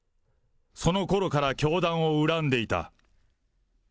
そのころから教団を恨んでいた。